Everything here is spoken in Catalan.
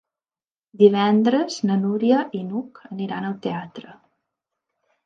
Divendres na Núria i n'Hug aniran al teatre.